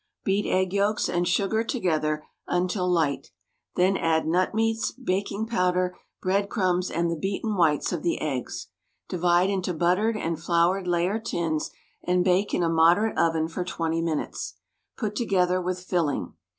Beat egg yolks and sugar together until light; then add nut meats, baking powder, bread crumbs and the beaten whites of the eggs. Divide into buttered and floured layer tins and bake in a moderate oven for twenty minutes. Put together with filling.